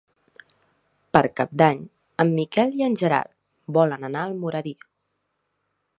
Per Cap d'Any en Miquel i en Gerard volen anar a Almoradí.